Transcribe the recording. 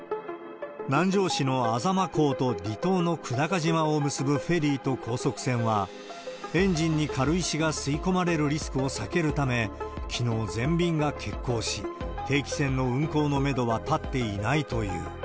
南城市の安座真港と離島の久高島を結ぶフェリーと高速船は、エンジンに軽石が吸い込まれるリスクを避けるため、きのう全便が欠航し、定期船の運航のメドは立っていないという。